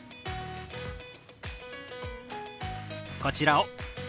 こちらを。